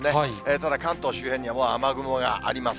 ただ、関東周辺にはもう雨雲があります。